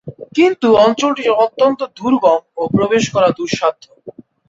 কিন্তু অঞ্চলটি অত্যন্ত দুর্গম ও প্রবেশ করা বেশ দুঃসাধ্য।